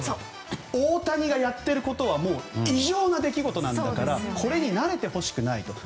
大谷がやっていることは偉業の出来事だからこれに慣れてほしくないと。